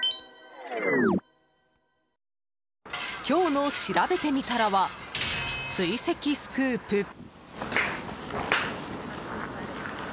今日のしらべてみたらは追跡スクープ。